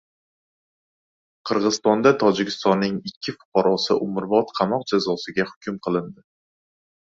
Qirg‘izistonda Tojikistonning ikki fuqarosi umrbod qamoq jazosiga hukm qilindi